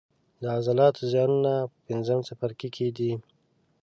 د عضلاتو زیانونه په پنځم څپرکي کې دي.